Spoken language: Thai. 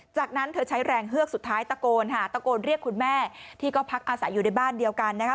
จากนั้นเธอใช้แรงเฮือกสุดท้ายตะโกนค่ะตะโกนเรียกคุณแม่ที่ก็พักอาศัยอยู่ในบ้านเดียวกันนะคะ